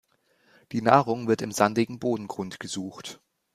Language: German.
Die Nahrung wird im sandigen Bodengrund gesucht.